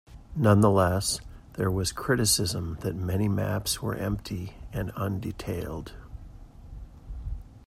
Nonetheless, there was criticism that many maps were empty and undetailed.